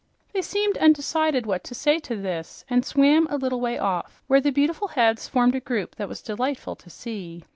They seemed undecided what to say to this and swam a little way off, where the beautiful heads formed a group that was delightful to see.